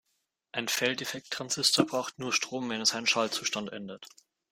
Ein Feldeffekttransistor braucht nur Strom, wenn er seinen Schaltzustand ändert.